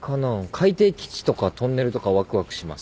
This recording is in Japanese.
海底基地とかトンネルとかわくわくします。